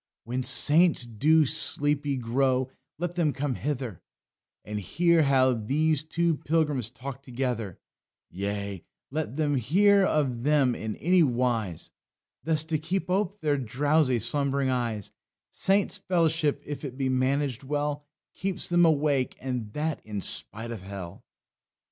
"When Saints do sleepy grow, let them come hither And hear how these two pilgrims talk together; Yea, let them hear of them, in any wise, Thus to keep ope their drowsy slumb'ring eyes; Saints' fellowship, if it be managed well, Keeps them awake, and that in spite of hell."